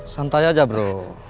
santai aja bro